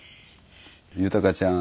豊ちゃん！